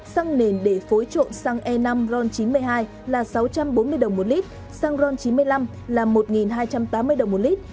xăng nền để phối trộn xăng e năm ron chín mươi hai là sáu trăm bốn mươi đồng một lít xăng ron chín mươi năm là một hai trăm tám mươi đồng một lít